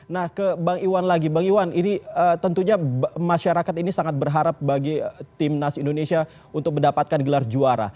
nah ke bang iwan lagi bang iwan ini tentunya masyarakat ini sangat berharap bagi timnas indonesia untuk mendapatkan gelar juara